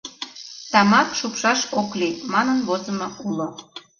«Тамак шупшаш ок лий» манын возымо уло.